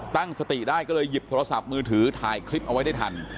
ตั้งสติได้ก็เลยหยิบโทรศัพท์มือถือถ่ายคลิปเอาไว้ได้ทัน